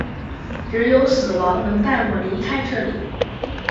只有死亡能带我离开这里！